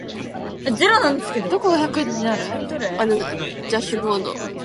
The other was the "Blue Ridge" class for the Virginian Railway.